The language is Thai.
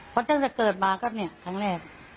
เพราะตั้งแต่เกิดมาก็เนี่ยครั้งแรก